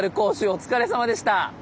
お疲れさまでした。